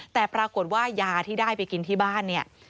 แต่ปรากฏว่ายาที่ได้ไปกินที่บ้านเนี่ย